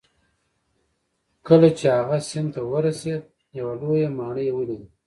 کله چې هغه سیند ته ورسید یوه لویه ماڼۍ یې ولیده.